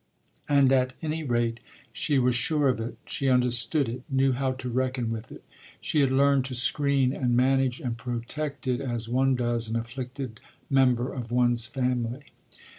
And, at any rate, she was sure of it, she understood it, knew how to reckon with it; she had learned to screen and manage and protect it as one does an afflicted member of one’s family.